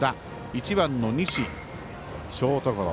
１番の西、ショートゴロ。